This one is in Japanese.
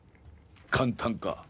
簡単か？